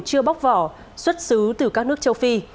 chưa bóc vỏ xuất xứ từ các nước châu phi